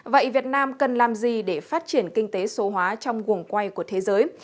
vậy việt nam cần làm gì để phát triển kinh tế số hóa trong quần quay của thế giới